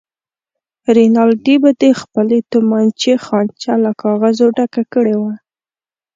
رینالډي به د خپلې تومانچې خانچه له کاغذونو ډکه کړې وه.